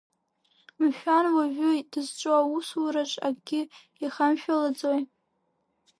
Мшәан, уажәы дызҿу аусураҿ акгьы ихамшәалаӡои?